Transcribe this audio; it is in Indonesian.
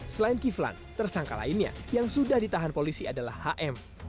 selain kiflan tersangka lainnya yang sudah ditahan polisi adalah hm